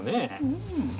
うん。